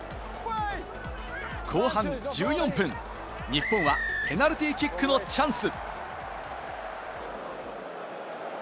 後半１４分、日本はペナルティーキックのチャンス。